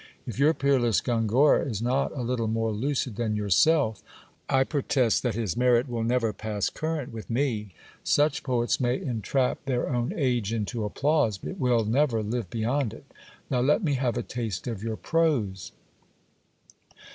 If your peerless Gongora is not a little jie lucid than yourself, I protest that his merit will never pass current with , fne. Such poets may entrap their own age into applause, but will never live beyond it. Now let me have a taste of your prose.